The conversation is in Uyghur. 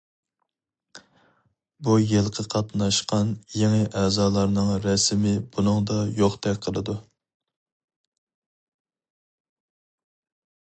بۇ يىلقى قاتناشقان يېڭى ئەزالارنىڭ رەسىمى بۇنىڭدا يوقتەك قىلىدۇ.